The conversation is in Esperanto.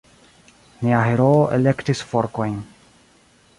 Nia heroo elektis forkojn.